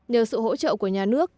nhờ sự hỗ trợ của nhà nước